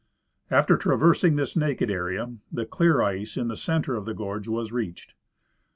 After traversing this naked area the clear ice in the center of the gorge was reached.